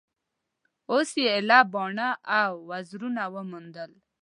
اوس یې ایله باڼه او وزرونه وموندل